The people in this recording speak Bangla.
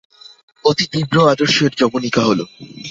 অতি তীব্র আদর্শের যবনিকা হলো।